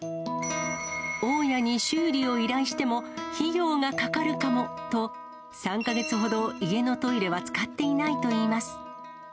大家に修理を依頼しても、費用がかかるかもと、３か月ほど家のトイレは使っていないといいます。